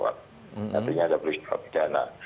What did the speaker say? artinya ada perusahaan pidana